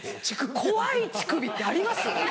怖い乳首ってあります？